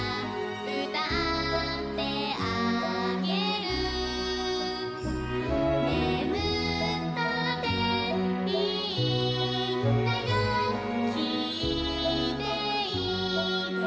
「うたってあげる」「ねむったっていいんだよきいていてね、、、」